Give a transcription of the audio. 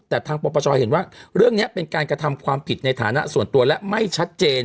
แต่ทางปปชเห็นว่าเรื่องนี้เป็นการกระทำความผิดในฐานะส่วนตัวและไม่ชัดเจน